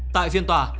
tại phiên tòa